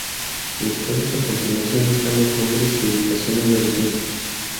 Listados a continuación están los nombres y ubicaciones de los mismos.